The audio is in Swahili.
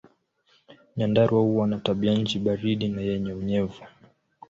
Nyandarua huwa na tabianchi baridi na yenye unyevu.